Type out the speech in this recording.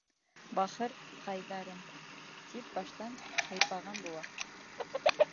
Бахыр-ҡайҙарым, тип баштан һыйпаған була.